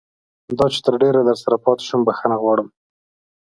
دا چې تر ډېره درسره پاتې شوم بښنه غواړم.